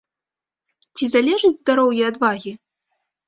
Ці залежыць здароўе ад вагі?